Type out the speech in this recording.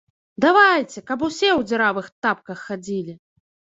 Давайце, каб усе ў дзіравых тапках хадзілі!